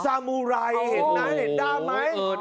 สามูไรเห็นนะเห็นด้ามไหม